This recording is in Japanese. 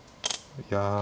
いや。